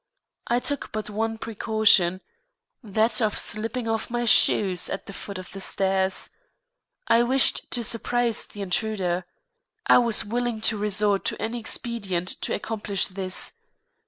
I took but one precaution that of slipping off my shoes at the foot of the stairs. I wished to surprise the intruder. I was willing to resort to any expedient to accomplish this.